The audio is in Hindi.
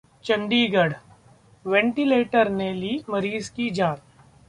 चंडीगढ़: वेंटिलेटर ने ली मरीज की जान